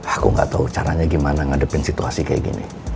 aku gak tau caranya gimana ngadepin situasi kayak gini